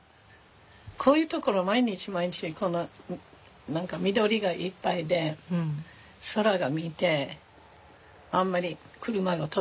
こういう所毎日毎日何か緑がいっぱいで空を見てあんまり車が通らないで。